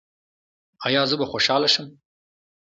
ایا زه به هم خوشحاله شم؟